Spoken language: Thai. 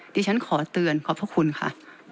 ดิฉันขอเตือนขอบพระคุณค่ะ